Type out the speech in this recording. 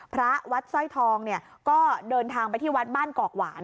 พระวัดสร้อยทองเนี่ยก็เดินทางไปที่วัดบ้านกอกหวาน